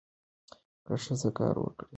که ښځه کار وکړي، نو کورنۍ ته مالي ثبات راځي.